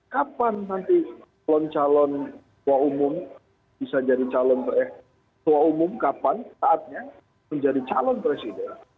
kapan nanti calon calon tua umum bisa jadi calon eh tua umum kapan saatnya menjadi calon